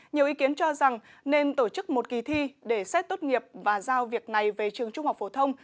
nhiều ý kiến cho rằng nên tổ chức một kỳ thi để xét tốt nghiệp và giao việc này về trường trung học phổ thông